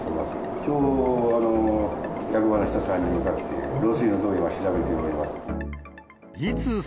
きょうの役場の人３人が来て、漏水のところ、今調べております。